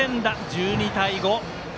１２対５。